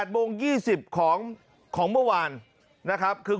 โมง๒๐ของเมื่อวานนะครับคือ